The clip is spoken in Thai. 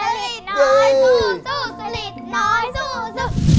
สลิดน้อยสู้สู้สลิดน้อยสู้สู้